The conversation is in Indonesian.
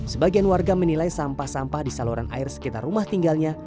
sebagian warga menilai sampah sampah di saluran air sekitar rumah tinggalnya